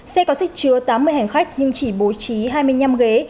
xe có sức chứa tám mươi hành khách nhưng chỉ bố trí hai mươi năm ghế